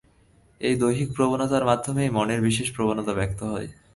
এই দৈহিক প্রবণতার মাধ্যমেই মনের বিশেষ প্রবণতা ব্যক্ত হয়।